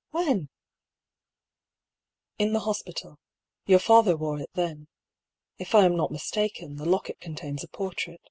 When ?"" In the hospital — your father wore it then. If I am not mistaken, the locket contains a portrait."